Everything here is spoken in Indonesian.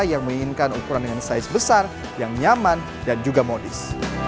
yang menginginkan ukuran dengan size besar yang nyaman dan juga modis